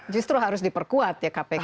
justru harus diperkuat ya kpk